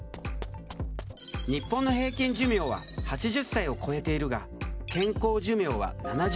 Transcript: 日本の平均寿命は８０歳を超えているが健康寿命は７０代。